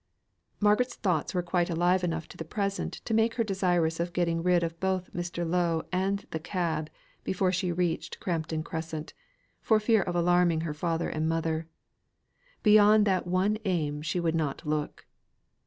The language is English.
Margaret's thoughts were quite alive enough to the present to make her desirous of getting rid of both Mr. Lowe and the cab before she reached Crampton Crescent, for fear of alarming her father and mother. Beyond that one aim she would not look.